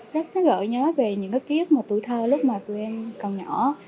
rất là gợi nhớ về những cái ký ức mà tuổi thơ lúc mà tụi em còn nhỏ